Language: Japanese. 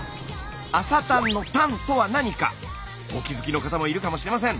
朝たんの「たん」とは何かお気付きの方もいるかもしれません。